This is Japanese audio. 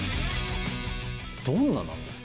どんななんですか？